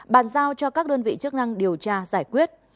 bàn giao cho các đơn vị chức năng điều tra giải quyết